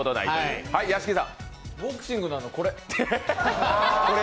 ボクシングのこれ。